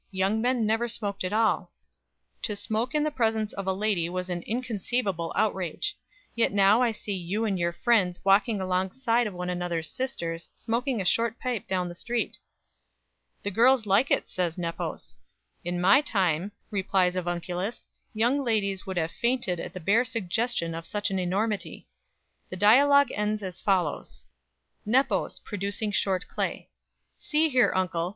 Young men never smoked at all. To smoke in the presence of a lady was an inconceivable outrage; yet now I see you and your friends walking alongside of one another's sisters, smoking a short pipe down the street." "The girls like it," says Nepos. "In my time," replies Avunculus, "young ladies would have fainted at the bare suggestion of such an enormity." The dialogue ends as follows: "NEPOS (producing short clay). See here, Uncle.